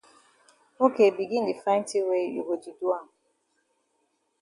Ok begin di find tin wey you go di do am.